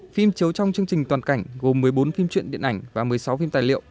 phim chiếu trong chương trình toàn cảnh gồm một mươi bốn phim truyện điện ảnh và một mươi sáu phim tài liệu